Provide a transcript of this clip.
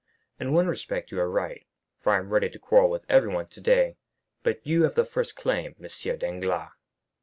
In one respect you are right, for I am ready to quarrel with everyone today; but you have the first claim, M. Danglars."